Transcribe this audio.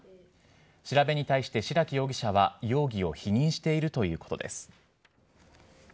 調べに対して白木容疑者は容疑を否認しているということです。